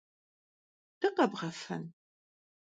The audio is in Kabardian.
Дыкъэбгъэфэн?